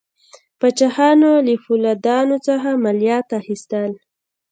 پاچاهانو له فیوډالانو څخه مالیات اخیستل.